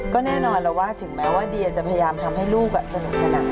ก็แน่นอนเราว่าที่ดีจะพยายามทำให้ลูกสนุกสนาน